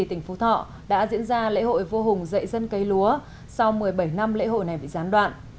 thành phố thọ đã diễn ra lễ hội vua hùng dạy dân cấy lúa sau một mươi bảy năm lễ hội này bị gián đoạn